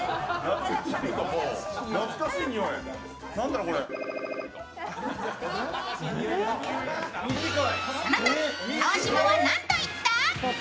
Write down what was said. あのそのとき川島は何と言った？